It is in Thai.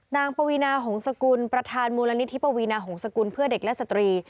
ปวีนาหงษกุลประธานมูลนิธิปวีนาหงษกุลเพื่อเด็กและสตรี